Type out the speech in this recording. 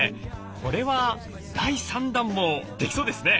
これは第３弾もできそうですね。